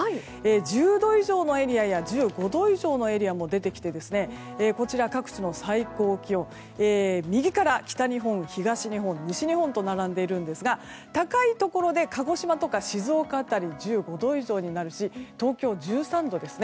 １０度以上のエリアや１５度以上のエリアが出てきてこちら各地の最高気温右から北日本、東日本西日本と並んでいますが高いところで鹿児島とか静岡辺り１５度以上になりますし東京、１３度ですね。